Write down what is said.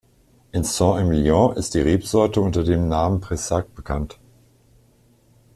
In Saint-Émilion ist die Rebsorte unter dem Namen Pressac bekannt.